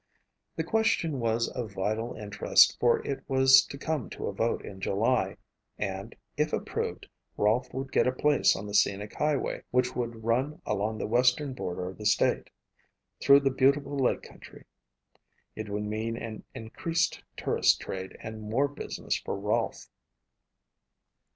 The question was of vital interest for it was to come to a vote in July and, if approved, Rolfe would get a place on the scenic highway which would run along the western border of the state, through the beautiful lake country. It would mean an increased tourist trade and more business for Rolfe.